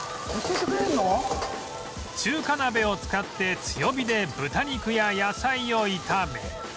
中華鍋を使って強火で豚肉や野菜を炒め